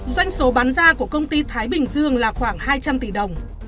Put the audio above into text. doanh số bán ra của công ty thái bình dương là khoảng hai trăm linh tỷ đồng